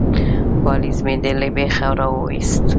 _پالېز مې دې له بېخه را وايست.